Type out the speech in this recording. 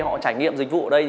họ trải nghiệm dịch vụ ở đây